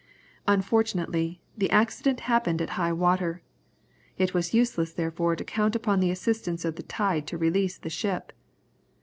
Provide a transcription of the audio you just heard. Unfortunately the accident happened at high water. It was useless therefore to count upon the assistance of the tide to release the ship.